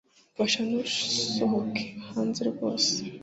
Mfasha ntusohoke hanze rwose